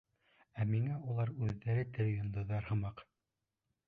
Ә миңә улар үҙҙәре тере йондоҙҙар һымаҡ.